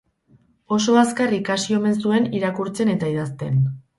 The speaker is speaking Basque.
Oso azkar ikasi omen zuen irakurtzen eta idazten.